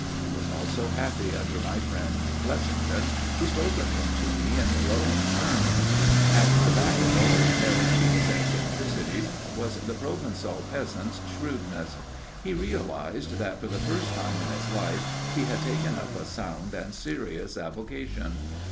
He was also happy under my friend Blessington, who spoke of him to me in glowing terms. At the back of all Aristide's eccentricities was the Provençal peasant's shrewdness. He realized that, for the first time in his life, he had taken up a sound and serious avocation.